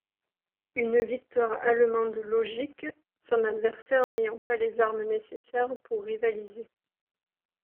Une victoire allemande logique, son adversaire n'ayant pas les armes nécessaires pour rivaliser.